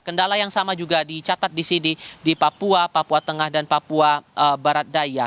kendala yang sama juga dicatat di sini di papua papua tengah dan papua barat daya